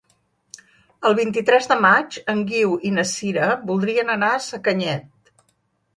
El vint-i-tres de maig en Guiu i na Sira voldrien anar a Sacanyet.